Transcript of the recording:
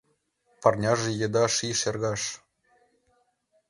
Парняже еда ший шергаш.